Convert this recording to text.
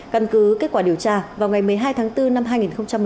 căn cứ kết quả điều tra vào ngày một mươi hai tháng bốn năm hai nghìn một mươi chín